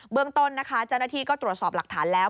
เรื่องต้นนะคะเจ้าหน้าที่ก็ตรวจสอบหลักฐานแล้ว